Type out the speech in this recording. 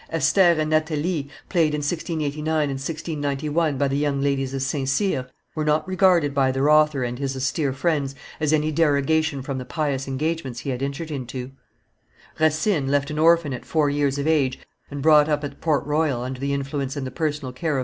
Esther and Athalie, played in 1689 and 1691 by the young ladies of St. Cyr, were not regarded by their author and his austere friends as any derogation from the pious engagements he had entered into. Racine, left an orphan at four years of age, and brought up at Port Royal under the influence and the personal care of M.